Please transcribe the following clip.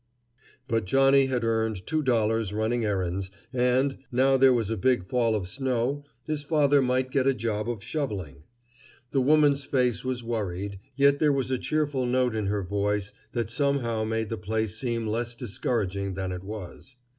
But Johnnie had earned two dollars running errands, and, now there was a big fall of snow, his father might get a job of shoveling. The woman's face was worried, yet there was a cheerful note in her voice that somehow made the place seem less discouraging than it was.